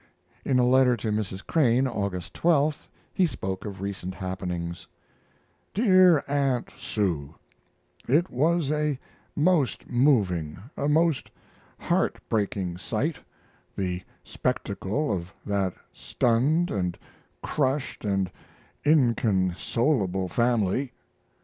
In a letter to Mrs. Crane, August 12th, he spoke of recent happenings: DEAR AUNT SUE, It was a most moving, a most heartbreaking sight, the spectacle of that stunned & crushed & inconsolable family.